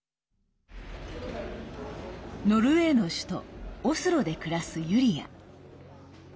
ノルウェーの首都オスロで暮らすユリア。